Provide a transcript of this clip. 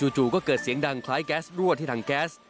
จู่ก็เกิดเสียงดังคล้ายแก๊สรั่วที่ถังแก๊ส